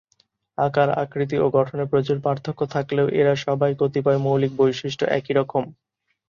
আকার, আকৃতি ও গঠনে প্রচুর পার্থক্য থাকলেও এরা সবাই কতিপয় মৌলিক বৈশিষ্ট্য একই রকম।